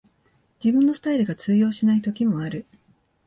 自分のスタイルが通用しない時もある